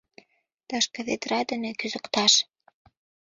Тышке ведра дене кӱзыкташ?